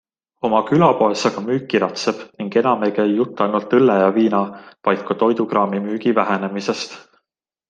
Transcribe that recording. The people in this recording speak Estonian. Oma külapoes aga müük kiratseb ning enam ei käi jutt ainult õlle ja viina, vaid ka toidukraami müügi vähenemisest.